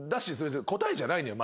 答えじゃないのよ